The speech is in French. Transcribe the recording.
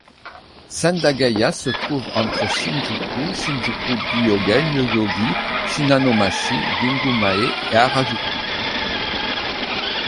Sendagaya se trouve entre Shinjuku, Shinjuku Gyoen, Yoyogi, Shinanomachi, Jingumae, et Harajuku.